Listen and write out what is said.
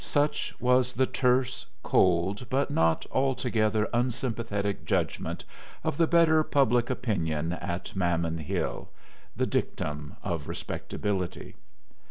Such was the terse, cold, but not altogether unsympathetic judgment of the better public opinion at Mammon Hill the dictum of respectability.